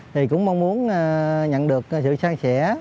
thì cũng mong muốn nhận được sự sang sẻ